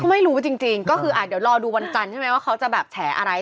ไม่รู้จริงก็คือเดี๋ยวรอดูวันจันทร์ใช่ไหมว่าเขาจะแบบแฉอะไร